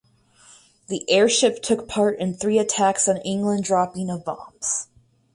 The airship took part in three attacks on England dropping of bombs.